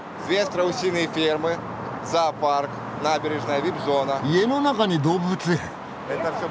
家の中に動物園！